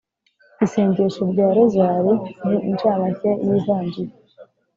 isengesho rya rozali ni incamake y’ivanjili